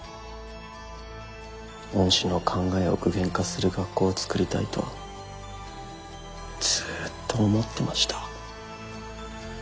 恩師の考えを具現化する学校をつくりたいとずっと思ってました。